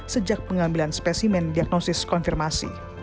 sejak pengambilan spesimen diagnosis konfirmasi